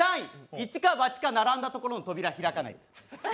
いちかばちか並んだところの扉開かない。